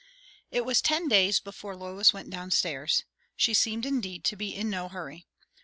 It was days before Lois went down stairs. She seemed indeed to be in no hurry.